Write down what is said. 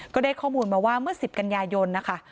ก็ได้ข้อมูลมาว่าเมื่อ๑๐กันยายนนะคะ